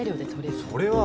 それは。